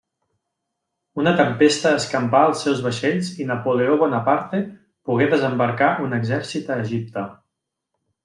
Una tempesta escampà els seus vaixells i Napoleó Bonaparte pogué desembarcar un exèrcit a Egipte.